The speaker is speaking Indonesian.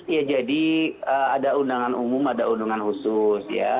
ya jadi ada undangan umum ada undangan khusus ya